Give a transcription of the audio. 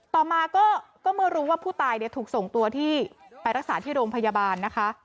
ต่อมาก็เมื่อรู้ว่าผู้ตายถูกส่งตัวที่ไปรักษาที่โรงพยาบาลนะคะ